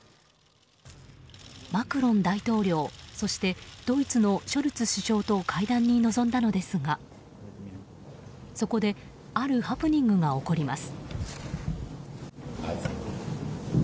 マクロン大統領そしてドイツのショルツ首相と会談に臨んだのですがそこであるハプニングが起こります。